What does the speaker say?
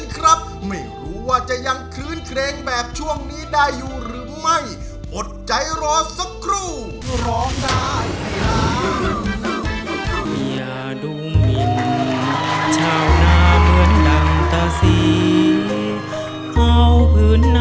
อยากเจอคนดีแถวนี้มีไหมเอ่อ